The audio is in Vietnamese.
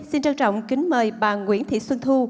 xin trân trọng kính mời bà nguyễn thị xuân thu